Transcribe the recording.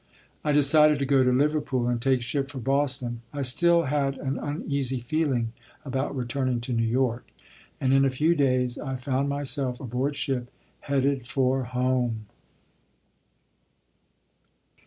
I decided to go to Liverpool and take ship for Boston. I still had an uneasy feeling about returning to New York; and in a few days I found myself aboard ship headed for home.